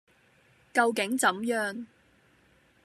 究竟怎樣；